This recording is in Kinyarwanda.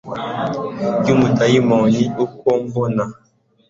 Yumudayimoni uko mbona